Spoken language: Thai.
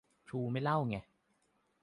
ทรูไม่เล่าไง